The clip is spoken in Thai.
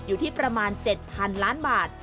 อยู่ที่ประมาณ๗๐๐๐ล้านบาท